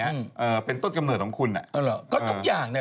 เขาอาจจะเป็นแบบพวกแพงต้นเป็นสัตว์เซลล์เดียวหรืออะไรอย่างนี้